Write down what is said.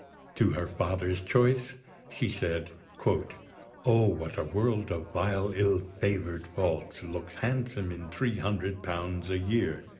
To her father's choice, she said: "O, what a world of vile ill favour'd faults Looks handsome in three hundred pounds a year!"